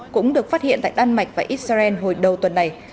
cũng được phát hiện tại đan mạch và israel hồi đầu tuần này